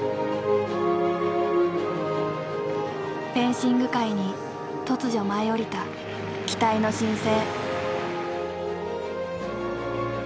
フェンシング界に突如舞い降りた「期待の新星」。